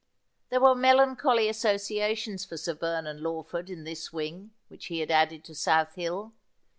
There were melancholy associations for Sir Vernon Lawford in this wing which he had added to South Hill.